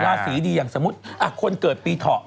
ลาสีดีอย่างสมมุติอ่ะคุณเกิดปีเทาะ